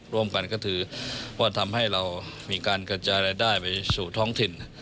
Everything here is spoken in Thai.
ร่วมกันก็คือว่าทำให้เรามีการกระจายรายได้ไปสู่ท้องถิ่น